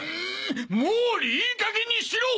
毛利いいかげんにしろ！